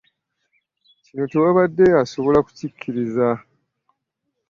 Kino tewabadde asobola kukikkiriza.